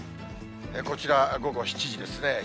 こちら午後７時ですね。